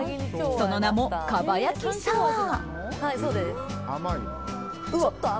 その名も蒲焼きサワー。